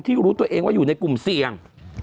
รู้ตัวเองว่าอยู่ในกลุ่มเสี่ยง